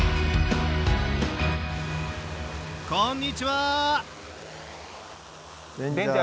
こんにちは。